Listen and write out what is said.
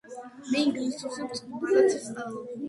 მე ინგლისურში ბრწყინვალედ ვსწავლობ